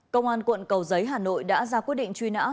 công an quận cầu giấy hà nội đã ra quyết định truy nã